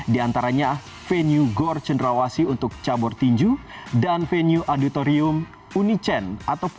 di antaranya venue gor cendrawasi untuk cabur tinju dan venue auditorium unichen untuk angkat besi